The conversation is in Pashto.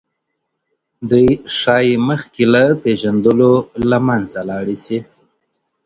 دوی ښايي مخکې له پېژندلو له منځه لاړې شي.